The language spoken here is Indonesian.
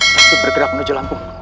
suntik bergerak menuju lampung